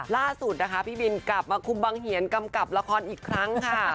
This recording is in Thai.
ล่าสุดนะคะพี่บินกลับมาคุมบังเหียนกำกับละครอีกครั้งค่ะ